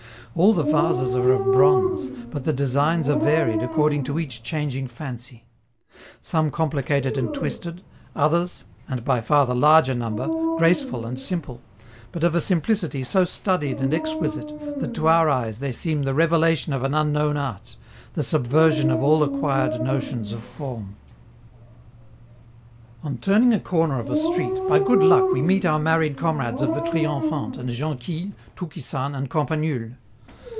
All the vases are of bronze, but the designs are varied according to each changing fancy: some complicated and twisted, others, and by far the larger number, graceful and simple, but of a simplicity so studied and exquisite that to our eyes they seem the revelation of an unknown art, the subversion of all acquired notions of form. On turning a corner of a street, by good luck we meet our married comrades of the Triomphante and Jonquille, Toukisan and Campanule!